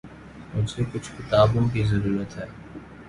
مجھے کچھ کتابوں کی ضرورت ہے۔